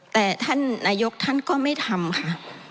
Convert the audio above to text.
แต่ท่านนายกท่านก็ไม่ทำค่ะ